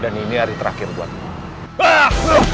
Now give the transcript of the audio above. dan ini hari terakhir buatmu